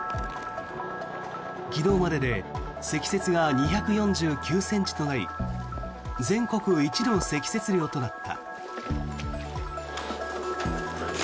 昨日までで積雪が２４９ｃｍとなり全国一の積雪量となった。